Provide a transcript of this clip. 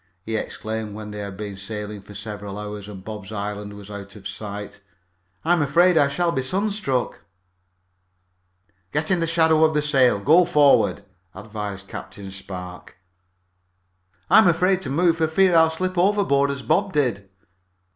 he exclaimed when they had been sailing for several hours and Bob's Island was out of sight. "I'm afraid I shall be sunstruck." "Get in the shadow of the sail. Go forward," advised Captain Spark. "I'm afraid to move for fear I'll slip overboard as Bob did."